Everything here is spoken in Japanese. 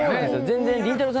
全然りんたろー。